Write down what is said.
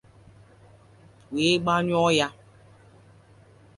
wee gbanyụọ ya.